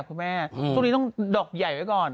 ช่วงนี้ต้องดอกใหญ่ไว้ก่อน